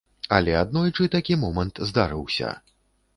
Але аднойчы такі момант здарыўся.